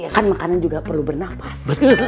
kan makanan juga perlu bernafas